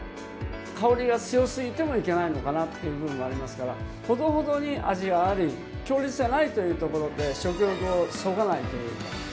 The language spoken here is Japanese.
香りが強すぎてもいけないのかなっていう部分もありますからほどほどに味があり強烈じゃないというところで食欲をそがないというか。